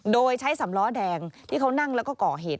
โดยใช้สำล้อแดงที่เขานั่งแล้วก็ก่อเหตุ